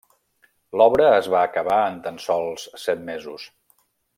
L'obra es va acabar en tan sols set mesos.